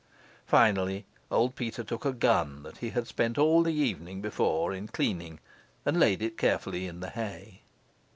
Finally, old Peter took a gun that he had spent all the evening before in cleaning, and laid it carefully in the hay.